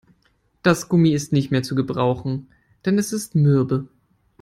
Das Gummi ist nicht mehr zu gebrauchen, denn es ist mürbe.